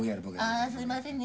あすいませんね。